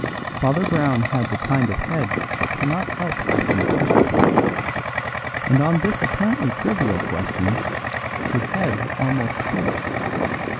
Father Brown had the kind of head that cannot help asking questions; and on this apparently trivial question his head almost split.